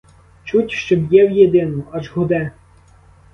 Чуть, що б'є в єдину, аж гуде.